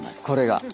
これが。